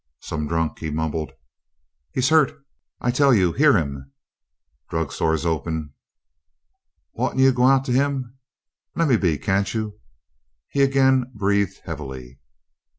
"Some drunk," he mumbled. "He's hurt, I tell you! Hear him!" "Drug store's open." "Oughtn't you to go to him?" "Lemme be can't you?" He again breathed heavily.